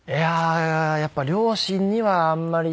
やっぱり両親にはあんまり相談。